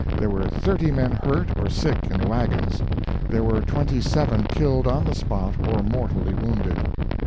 There were 30 men hurt or sick in the wagons. There were 27 killed on the spot or mortally wounded."